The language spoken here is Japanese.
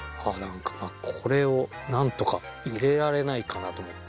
これをなんとか入れられないかなと思って。